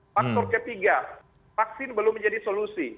faktor ketiga vaksin belum menjadi solusi